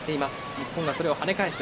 日本がそれを跳ね返す。